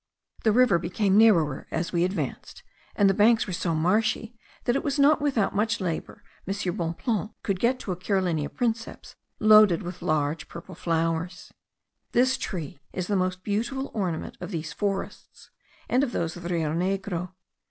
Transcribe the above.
The river became narrower as we advanced, and the banks were so marshy, that it was not without much labour M. Bonpland could get to a Carolinea princeps loaded with large purple flowers. This tree is the most beautiful ornament of these forests, and of those of the Rio Negro.